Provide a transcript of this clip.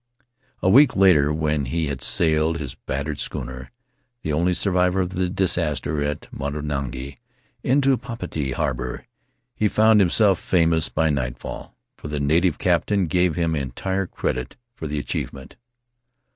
"A week later, when he had sailed his battered schooner — the only survivor of the disaster at Motu tangi — into Papeete harbor, he found himself famous by nightfall, for the native captain gave him entire credit for the achievement.